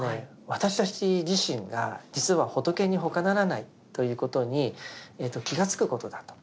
私たち自身が実は仏にほかならないということに気が付くことだと。